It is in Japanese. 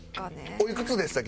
おいくつでしたっけ？